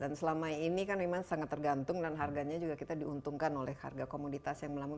dan selama ini kan memang sangat tergantung dan harganya juga kita diuntungkan oleh harga komoditas yang melambung